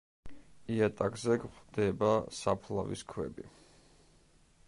იატაკზე გვხვდება საფლავის ქვები.